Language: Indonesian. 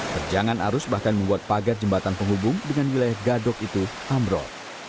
terjangan arus bahkan membuat pagar jembatan penghubung dengan wilayah gadok itu ambrol